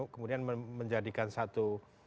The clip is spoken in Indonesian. kemudian menjadikan satu